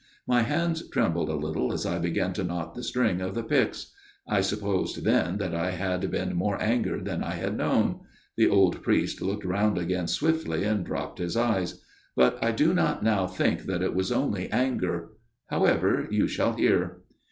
11 My hands trembled a little as I began to knot the string of the pyx ; I supposed then that I had been more angered than I had known " the old priest looked round again swiftly and dropped his eyes " but I do not now think that it was only anger. However, you shall hear."